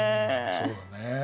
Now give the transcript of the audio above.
そうだね。